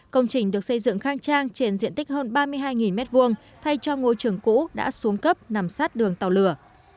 công trình được xây dựng khang trang trên diện tích hơn ba mươi hai m hai thay cho ngôi trường cũ đã xuống cấp nằm sát đường tàu lửa